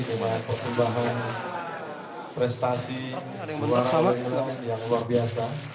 terima kasih banyak banyak persembahan prestasi dan berharga yang luar biasa